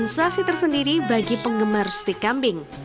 ini pun menjadi sensasi tersendiri bagi penggemar stik kambing